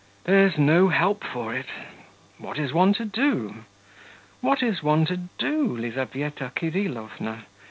'There's no help for it! What is one to do! what is one to do, Lizaveta Kirillovna!'